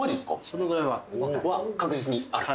そのぐらいは確実にある？